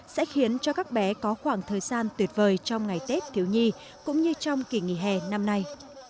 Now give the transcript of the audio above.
sẽ khiến cho các bé có khoảng thời gian tuyệt vời trong ngày tết thiếu nhi cũng như trong kỳ nghỉ hè năm nay